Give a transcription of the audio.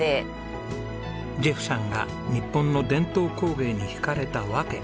ジェフさんが日本の伝統工芸に惹かれたわけ。